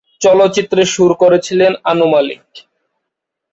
চলচ্চিত্রে সুর করেছিলেন আনু মালিক।